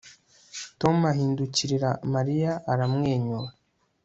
Tom ahindukirira Mariya aramwenyura